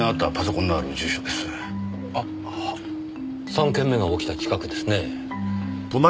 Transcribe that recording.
３件目が起きた近くですね。